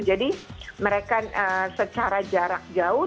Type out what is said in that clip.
jadi mereka secara jarak jauh